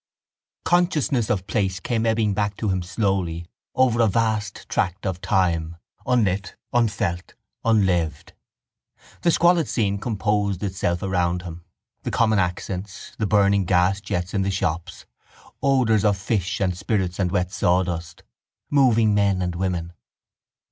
Consciousness of place came ebbing back to him slowly over a vast tract of time unlit, unfelt, unlived. The squalid scene composed itself around him; the common accents, the burning gasjets in the shops, odours of fish and spirits and wet sawdust, moving men and women.